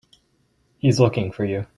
He's looking for you.